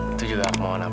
itu juga aku mau nabok